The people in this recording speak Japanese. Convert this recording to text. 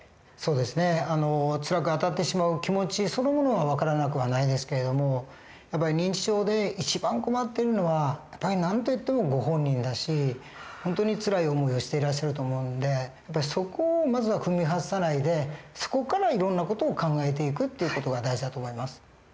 そうですねつらくあたってしまう気持ちそのものは分からなくはないですけど認知症で一番困っているのは何と言ってもご本人だし本当につらい思いをしていらっしゃると思うんでそこをまずは踏み外さないでそこからいろんな事を考えていくっていう事が大事だと思います。